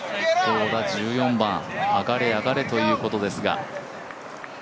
１４番、上がれ上がれということですが。